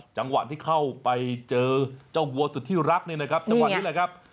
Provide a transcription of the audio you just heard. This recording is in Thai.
จังหวะที่เข้าไปเจอเจ้าวัวสุดที่รักเนี่ยนะครับจังหวะนี้แหละครับ